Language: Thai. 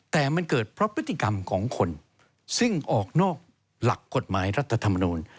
แต่มันเกิดเพราะพฤติกรรมของคนซึ่งออกนอกหลักกฎหมายรัฐธรรมนูล